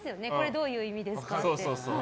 どういう意味ですかって。